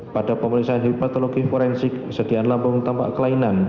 pada pemeriksaan hipatologi forensik sediaan lambung tampak kelainan